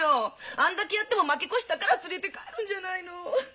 あんだけやっても負け越したから連れて帰るんじゃないの。